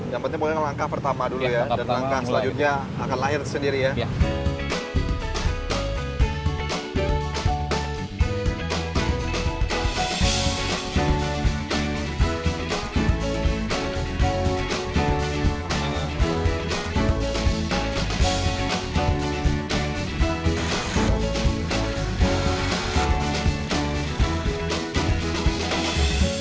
yang penting mungkin langkah pertama dulu ya dan langkah selanjutnya akan lahir sendiri ya